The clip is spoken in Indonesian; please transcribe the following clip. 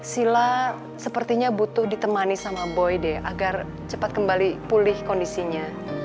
sila sepertinya butuh ditemani sama boyde agar cepat kembali pulih kondisinya